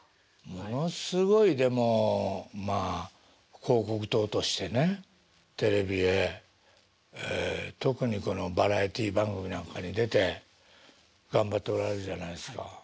ものすごいでもまあ広告塔としてねテレビへ特にこのバラエティー番組なんかに出て頑張っておられるじゃないですか。